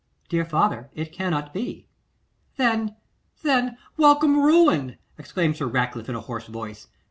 'Dear father, it cannot be.' 'Then then, welcome ruin!' exclaimed Sir Ratcliffe, in a hoarse voice.